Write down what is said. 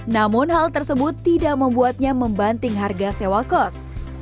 namun hal tersebut tidak membuatnya membanting harga sewa kos